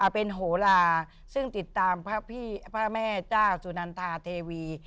เป็นโหลาซึ่งติดตามพระแม่เจ้าสุนันทาเทวี